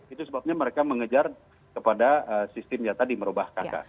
itu sebabnya mereka mengejar kepada sistem yang tadi merubah kakak